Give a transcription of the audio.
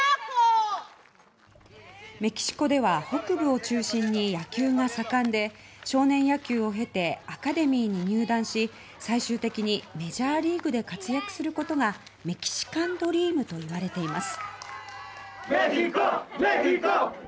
メキシコでは北部を中心に野球が盛んで少年野球を経てアカデミーに入団して最終的にメジャーリーグで活躍することがメキシカンドリームと言われています。